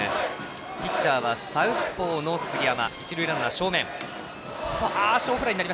ピッチャーはサウスポーの杉山。